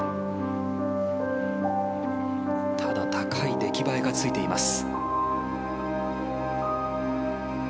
ただ、高い出来栄えがついています。